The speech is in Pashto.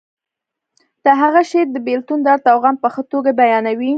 د هغه شعر د بیلتون درد او غم په ښه توګه بیانوي